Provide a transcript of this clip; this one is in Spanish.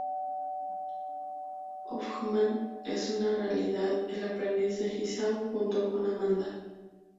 Hoffman es en realidad el aprendiz de Jigsaw junto con Amanda.